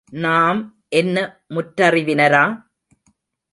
நாம் என்ன முற்றறிவினரா?